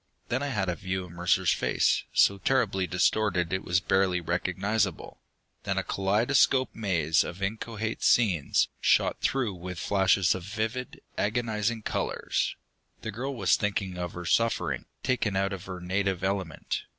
Then I had a view of Mercer's face, so terribly distorted it was barely recognizable. Then a kaleidoscopic maze of inchoate scenes, shot through with flashes of vivid, agonizing colors. The girl was thinking of her suffering, taken out of her native element.